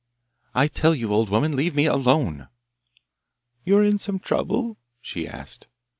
'I tell you, old woman, leave me alone.' 'You are in some trouble?' she asked.